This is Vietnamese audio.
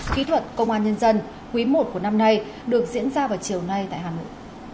kỹ thuật công an nhân dân quý i của năm nay được diễn ra vào chiều nay tại hà nội